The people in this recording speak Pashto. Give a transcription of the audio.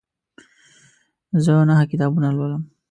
زه نهه کتابونه لولم.